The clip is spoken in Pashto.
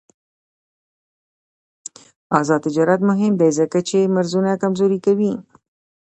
آزاد تجارت مهم دی ځکه چې مرزونه کمزوري کوي.